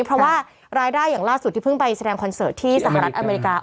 เพราะว่ารายได้อย่างล่าสุดที่เพิ่งไปแสดงคอนเสิร์ตที่สหรัฐอเมริกา